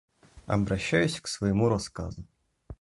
Обращаюсь к своему рассказу.